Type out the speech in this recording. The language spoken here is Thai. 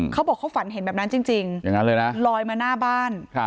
เขาบอกเขาฝันเห็นแบบนั้นจริงอย่างนั้นเลยนะลอยมาหน้าบ้าน